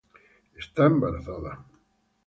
• Está embarazada.